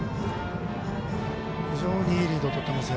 非常にいいリードとってます